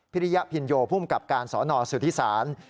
พิริยพินโยผู้มกับการสอนอสุธิศัพท์